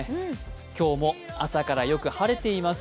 今日も朝からよく晴れています。